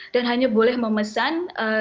dan hanya boleh memesan